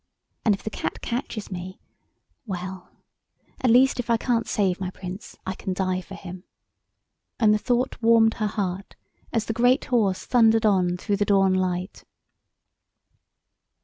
And if the Cat catches me—well, at least if I can't save my Prince I can die for him." And the thought warmed her heart as the great horse thundered on through the dawn light.